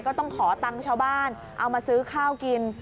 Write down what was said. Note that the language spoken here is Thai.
ก็ต้องขอตังค์ชาวบ้านเอามาซื้อข้าวกิน